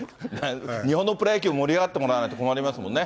日本のプロ野球、盛り上がってもらわないと困りますもんね。